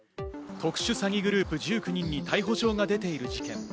特殊詐欺グループ１９人に逮捕状が出ている事件。